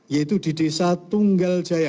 yaitu di desa tunggaljaya